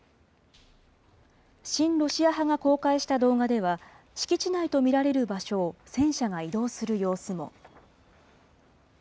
親ロシア派が公開した動画では、敷地内と見られる場所を戦車が移動する様子も。